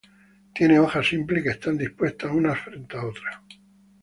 Tiene hojas simples que están dispuestas una frente a otra.